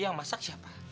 yang masak siapa